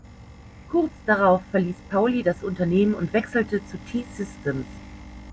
Kurz darauf verließ Pauly das Unternehmen und wechselte zu T-Systems.